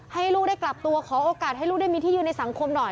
ให้ลูกได้กลับตัวขอโอกาสให้ลูกได้มีที่ยืนในสังคมหน่อย